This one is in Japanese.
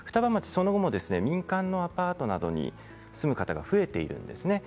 そのものも民間のアパートに住む方が増えているんですね。